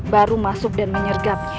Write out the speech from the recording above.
baru masuk dan menyergapnya